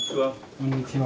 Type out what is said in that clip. こんにちは。